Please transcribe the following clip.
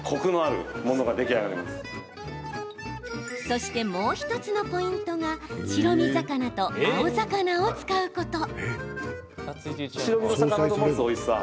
そして、もう１つのポイントが白身魚と青魚を使うこと。